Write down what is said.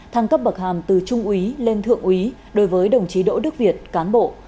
thăng cấp bậc hàm từ trung úy lên thượng úy đối với đồng chí đỗ đức việt cán bộ